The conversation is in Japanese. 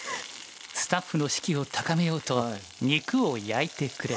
スタッフの士気を高めようと肉を焼いてくれた。